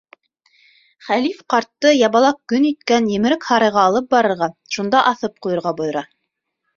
Хәлиф ҡартты ябалаҡ көн иткән емерек һарайға алып барырға, шунда аҫып ҡуйырға бойора.